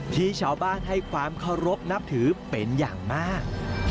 ที่ชาวบ้านให้ความเคารพนับถือเป็นอย่างมาก